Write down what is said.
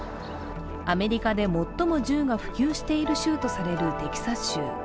アメリカで最も銃が普及している州とされるテキサス州。